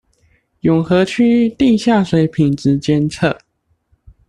永和區地下水品質監測